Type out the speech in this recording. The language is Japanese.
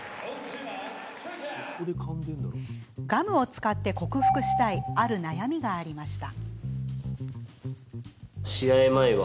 ガムを使って克服したいある悩みがありました。